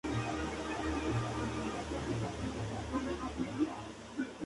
Versión que fue diseñada para que músicos i dj’s lo pudieran utilizar en escenarios.